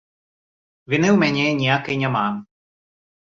Віны ў мяне ніякай няма.